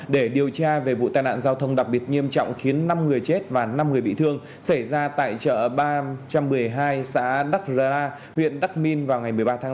điều tra ban đầu khoảng sáu giờ ngày một mươi ba tháng sáu